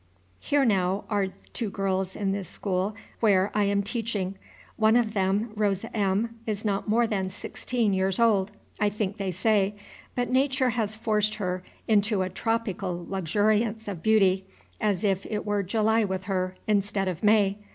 Here now are two girls in this school where I am teaching. One of them, Rosa M., is not more than sixteen years old, I think they say; but Nature has forced her into a tropical luxuriance of beauty, as if it were July with her, instead of May.